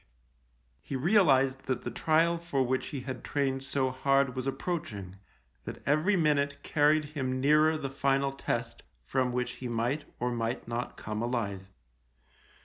He realised that the trial for which he had trained so hard was approach ing ; that every minute carried him nearer 8 THE LIEUTENANT the final test, from which he might or might not come alive.